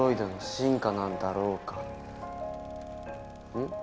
うん？